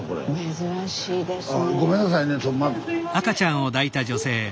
珍しいですねえ。